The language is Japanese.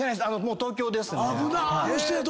東京ですね。